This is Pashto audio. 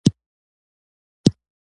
زه لا چي تر پخوا به ښه وم، ډېر خوښ وو.